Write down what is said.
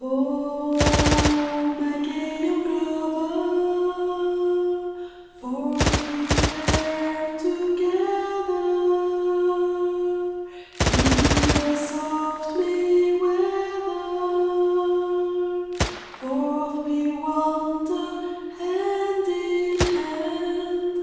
O my gay young lover, Forth we fare together In the soft May weather ; Forth we wander, hand in hand.